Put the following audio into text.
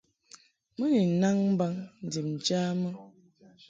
Mɨ ni nnaŋ mbaŋ ndib njamɨ.